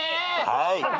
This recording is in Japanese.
はい。